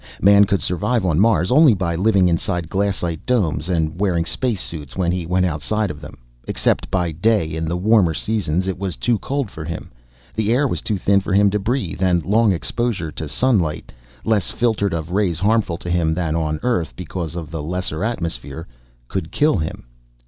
Man could survive on Mars only by living inside glassite domes and wearing space suits when he went outside of them. Except by day in the warmer seasons it was too cold for him. The air was too thin for him to breathe and long exposure to sunlight less filtered of rays harmful to him than on Earth because of the lesser atmosphere could kill him.